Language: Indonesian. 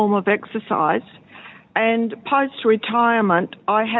untuk bergabung dengan fran